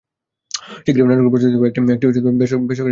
শিগগিরই নাটকটি প্রচারিত হবে একটি বেসরকারি চ্যানেলে।